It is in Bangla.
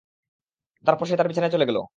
তারপর সে তার বিছানায় চলে গেল।